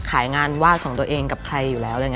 ขายงานวาดของตัวเองกับใครอยู่แล้ว